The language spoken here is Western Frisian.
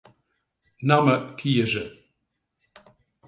Namme kieze.